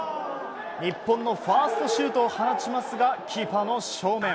日本のファーストシュートを放ちますが、キーパーの正面。